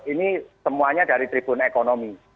ini semuanya dari tribun ekonomi